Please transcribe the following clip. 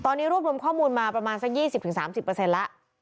ตอนนี้รวบรวมข้อมูลมาประมาณสักยี่สิบถึงสามสิบเปอร์เซ็นต์แล้ว